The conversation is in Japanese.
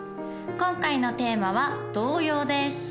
今回のテーマは「動揺」です